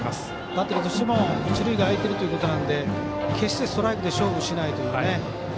バッテリーとしても一塁があいてるということなので決して、ストライクで勝負しないというね。